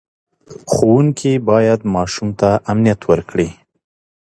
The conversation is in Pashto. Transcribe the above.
ښوونکي باید ماشوم ته امنیت ورکړي.